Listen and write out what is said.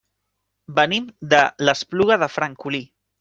Venim de l'Espluga de Francolí.